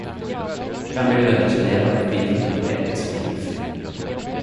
Kven vil vel ikkje leve eit vilt og poetisk liv?